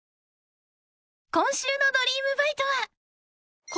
［今週の『ドリームバイト！』は］